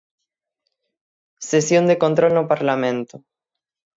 Sesión de control no Parlamento.